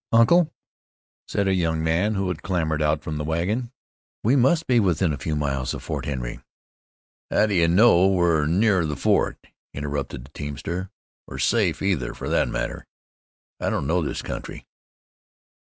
"Uncle," said a young man, who had clambered out from the wagon, "we must be within a few miles of Fort Henry." "How d'ye know we're near the fort?" interrupted the teamster, "or safe, either, fer thet matter? I don't know this country."